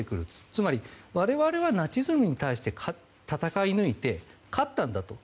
つまり我々はナチズムに対して戦い抜いて、勝ったんだと。